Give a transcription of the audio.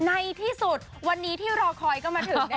ในที่สุดวันนี้ที่รอคอยก็มาถึง